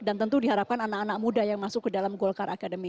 dan tentu diharapkan anak anak muda yang masuk ke dalam golkar academy